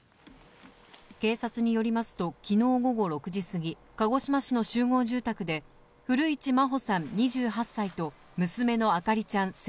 警察によりますと、きのう午後６時過ぎ、鹿児島市の集合住宅で、古市真穂さん２８歳と、娘の明里ちゃん